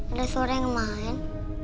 ada suara yang main